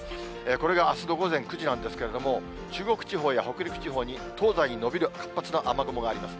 これがあすの午前９時なんですけれども、中国地方や北陸地方に、東西に延びる活発な雨雲があります。